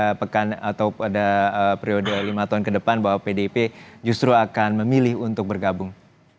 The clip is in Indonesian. pada pekan atau pada periode lima tahun ke depan bahwa pdip justru akan memilih untuk bergabung